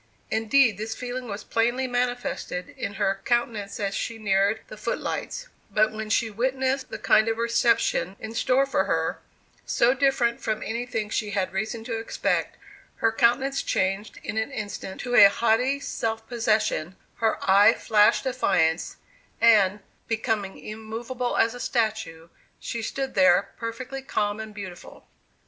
Indeed this feeling was plainly manifested in her countenance as she neared the foot lights; but when she witnessed the kind of reception in store for her so different from anything she had reason to expect her countenance changed in an instant to a haughty self possession, her eye flashed defiance, and, becoming immovable as a statue, she stood there, perfectly calm and beautiful.